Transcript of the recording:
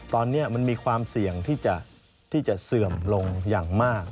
ตอนนี้มันมีความเสี่ยงที่จะเสื่อมลงอย่างมาก